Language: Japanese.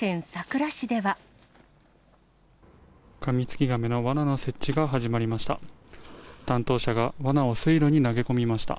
カミツキガメのわなの設置が始まりました。